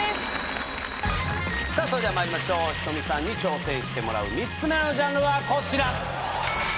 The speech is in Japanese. さぁそれではまいりましょうｈｉｔｏｍｉさんに挑戦してもらう３つ目のジャンルはこちら！